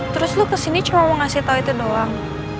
terus lo kesini cuma mau ngasih tau itu doang